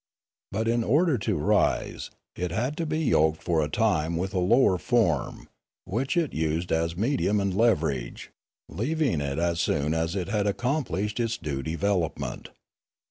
But in order to rise it had to be yoked for a time with a lower form, which it used as medium and leverage, leaving it as soon as it had accomplished its due devel opment.